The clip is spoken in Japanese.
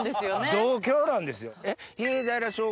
同郷なんですよ。